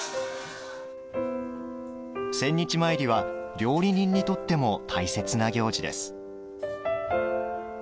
千日詣りは料理人にとっても大切な行事です。